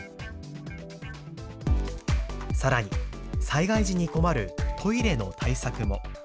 さらに災害時に困るトイレの対策も。